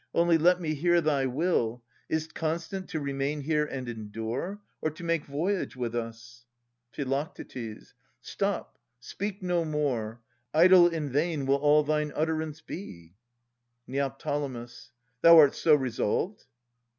Only let me hear thy will, Is't constant to remain here and endure, Or to make voyage with us? Phi. Stop, speak no more! Idle and vain will all thine utterance be. Neo. Thou art so resolved